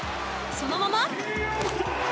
そのまま。